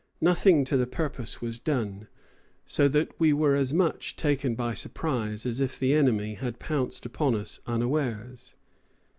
Nothing to the purpose was done, so that we were as much taken by surprise as if the enemy had pounced upon us unawares."